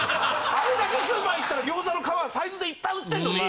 あれだけスーパー行ったら餃子の皮はサイズでいっぱい売ってるのに。